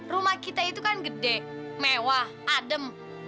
rumah kita itu kan gede mewah adem